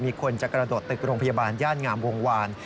มีคนจะกระโดดตึกโรงพยาบาลย่านงามวงวาน